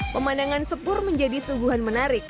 pemandangan sepur menjadi sungguhan menarik